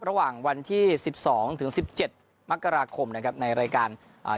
ระหว่างวันที่สิบสองถึงสิบเจ็ดมกราคมนะครับในรายการอ่า